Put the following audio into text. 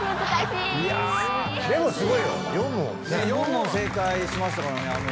４問正解しましたからね。